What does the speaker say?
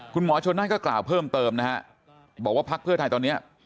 คุณหมอชนนั่นก็กล่าวเพิ่มเติมนะฮะบอกว่าพักเพื่อไทยตอนนี้